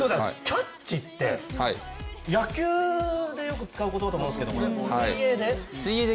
キャッチって、野球でよく使う言葉だと思うんですけど、水泳で？